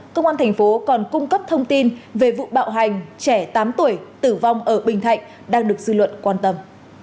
công an thành phố còn cung cấp thông tin về vụ bạo hành trẻ tám tuổi tử vong ở bình thạnh đang được dư luận quan tâm